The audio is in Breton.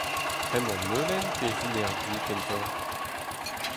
Hemañ melen pe hennezh du kentoc'h ?